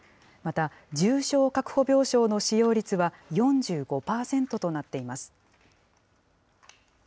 また、重症確保病床の使用率は４５％となっています。